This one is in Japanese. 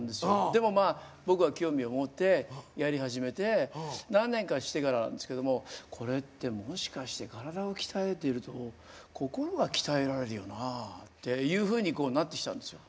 でもまあ僕は興味を持ってやり始めて何年かしてからですけどもこれってもしかして体を鍛えていると心が鍛えられるよなっていうふうになってきたんですよ。